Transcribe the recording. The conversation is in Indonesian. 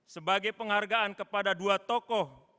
sebagai penghargaan kepada dua tokoh